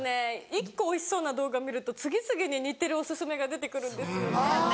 １個おいしそうな動画見ると次々に似てるお薦めが出てくるんですよね。